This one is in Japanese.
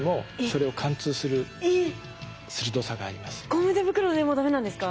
ゴム手袋でも駄目なんですか？